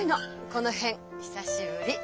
この辺久しぶり。